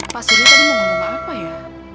pak surya tadi mau ngomong apa ya